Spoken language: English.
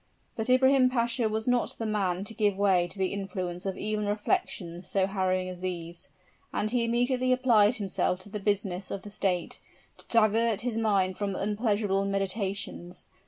But Ibrahim Pasha was not the man to give way to the influence of even reflections so harrowing as these; and he immediately applied himself to the business of the state, to divert his mind from unpleasurable meditations.